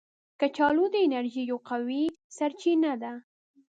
کچالو د انرژي یو قوي سرچینه ده